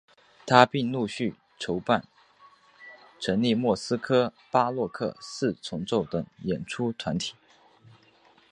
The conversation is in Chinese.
他并陆续筹办成立莫斯科巴洛克四重奏等演出团体。